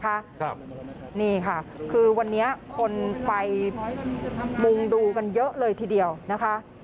ครับนี่ค่ะคือวันนี้คนไปมุงดูกันเยอะเลยทีเดียวนะคะ